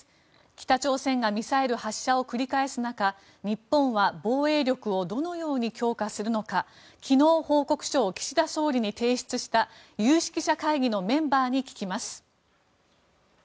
北朝鮮がミサイル発射を繰り返す中日本は防衛力をどのように強化するのか昨日報告書を岸田総理に提出した有識者会議のメンバーに聞きます。